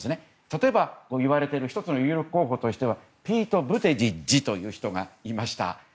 例えばいわれている１つの有力候補としてはピート・ブティジェッジという人がいました。